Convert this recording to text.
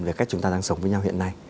về cách chúng ta đang sống với nhau hiện nay